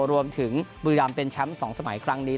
รวมถึงบุรีรำเป็นแชมป์๒สมัยครั้งนี้